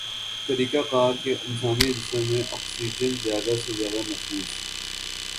طریقہ کار کے انسانی جسم میں آکسیجن زیادہ سے زیادہ نفوذ